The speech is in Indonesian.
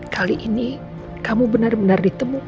kali ini kamu benar benar ditemukan